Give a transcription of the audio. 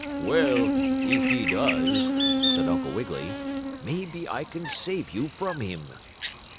"Well, if he does," said Uncle Wiggily, "maybe I can save you from him."